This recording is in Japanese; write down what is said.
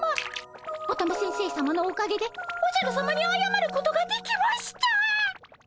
乙女先生さまのおかげでおじゃるさまにあやまることができました。